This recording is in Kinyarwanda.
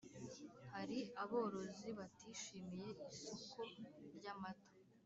Hari aborozi batishimiye isoko ry’amata